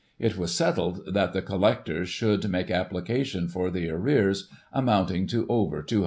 It was settled that the collector should make application for the arrears, amounting to over ;£"200.